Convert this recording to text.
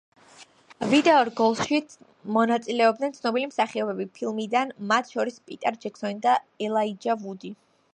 ვიდეო რგოლში მონაწილეობდნენ ცნობილი მსახიობები ფილმიდან, მათ შორის პიტერ ჯექსონი და ელაიჯა ვუდი.